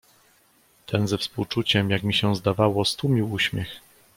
"Ten ze współczuciem, jak mi się zdawało, stłumił uśmiech."